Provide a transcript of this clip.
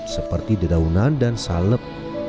seperti dedaunan dan salep